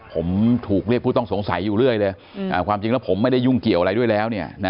ผมถูกเรียกผู้ต้องสงสัยอยู่เรื่อยเลยความจริงแล้วผมไม่ได้ยุ่งเกี่ยวอะไรด้วยแล้ว